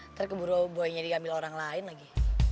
ntar keburu buru boynya digambil orang lain lagi